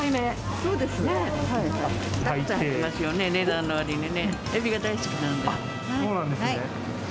そうなんですね。